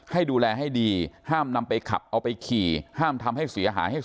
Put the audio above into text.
ให้ดูแลให้ดีห้ามนำไปขับเอาไปขี่ห้ามทำให้เสียหายให้